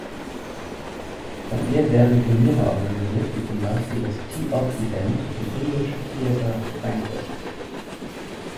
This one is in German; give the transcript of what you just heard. Von ihr werden Turniere organisiert, wie zum Beispiel das "Tee-Off"-Event im "English Theatre Frankfurt".